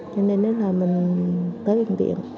cho nên đến là mình tới bệnh viện